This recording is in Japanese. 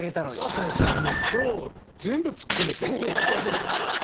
しかしもう今日全部ツッコめてる。